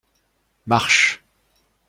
Marche.